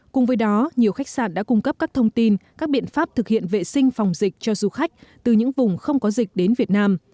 cùng với đó nhiều khách sạn đã cung cấp các thông tin các biện pháp thực hiện vệ sinh phòng dịch cho du khách từ những vùng không có dịch đến việt nam